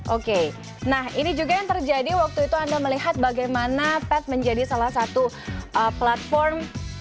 oke nah ini juga yang terjadi waktu itu anda melihat bagaimana pet menjadi salah satu platform